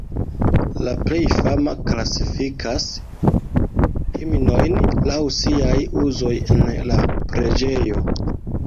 La plej fama klasifikas himnojn laŭ siaj uzoj en la preĝejo.